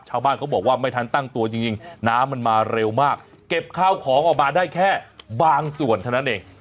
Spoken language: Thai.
ชาวบ้านเขาบอกว่าไม่ทันตั้งตัวจริงน้ำมันมาเร็วมากเก็บข้าวของออกมาได้แค่บางส่วนเท่านั้นเอง